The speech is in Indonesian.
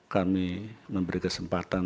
kami memberi kesempatan